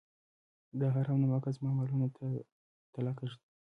دا حرام نمکه زما مالونو ته تلکه ږدي.